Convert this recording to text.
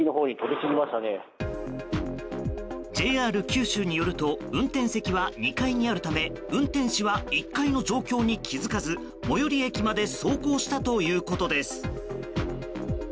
ＪＲ九州によると運転席は２階にあるため運転手は１階の状況に気づかず最寄り駅まで走行したということです。